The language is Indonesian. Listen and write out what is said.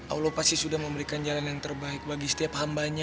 allah pasti sudah memberikan jalan yang terbaik bagi setiap hambanya